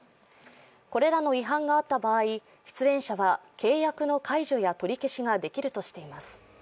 これらの違反があった場合、出演者は契約の解除や取り消しができるとしています。